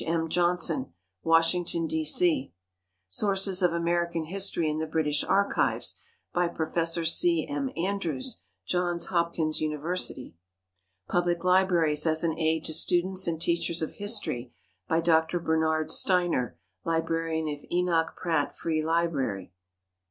M. Johnson, Washington, D. C. "Sources of American History in the British Archives," by Prof. C. M. Andrews, Johns Hopkins University. "Public Libraries as an Aid to Students and Teachers of History," by Dr. Bernard Steiner, Librarian of Enoch Pratt Free Library.